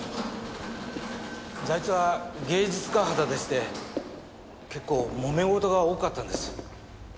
財津は芸術家肌でして結構もめ事が多かったんです。